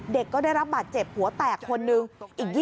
ก็ได้รับบาดเจ็บหัวแตกคนหนึ่ง